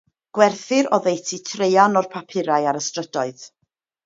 Gwerthir oddeutu traean o'r papurau ar y strydoedd.